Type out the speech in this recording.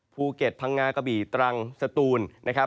ภูเก็ตพังงากะบี่ตรังสตูน